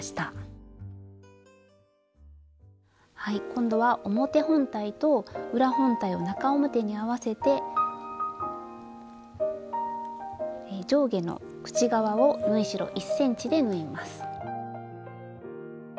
今度は表本体と裏本体を中表に合わせて上下の口側を縫い代１ｃｍで縫います。